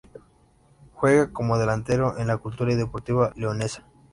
Juega como delantero en la Cultural y Deportiva Leonesa.